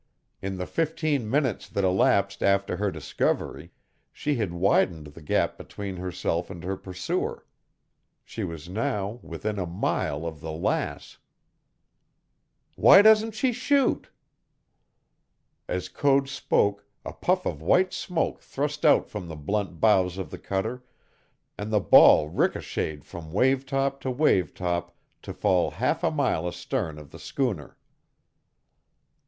In the fifteen minutes that elapsed after her discovery she had widened the gap between herself and her pursuer. She was now within a mile of the Lass. "Why doesn't she shoot?" As Code spoke a puff of white smoke thrust out from the blunt bows of the cutter, and the ball ricochetted from wave top to wave top to fall half a mile astern of the schooner.